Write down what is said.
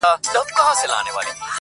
پوهېږې په جنت کي به همداسي ليونی یم.